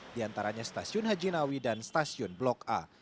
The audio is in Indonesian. diantaranya stasiun hajinawi dan stasiun blok a